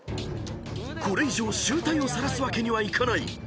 ［これ以上醜態をさらすわけにはいかない］